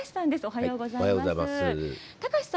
おはようございます。